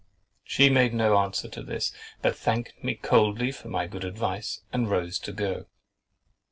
She made no answer to this, but thanked me coldly for my good advice, and rose to go.